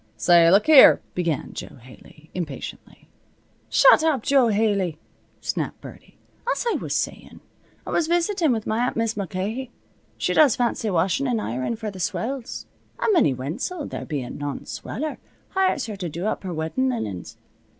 "Say, look here " began Jo Haley, impatiently. "Shut up, Jo Haley!" snapped Birdie. "As I was sayin', I was visitin' with my aunt Mis' Mulcahy. She does fancy washin' an' ironin' for the swells. An' Minnie Wenzel, there bein' none sweller, hires her to do up her weddin' linens.